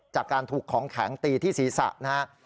จากการถูกของแข็งตีที่ศีรษะนะครับ